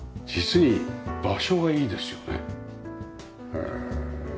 へえ。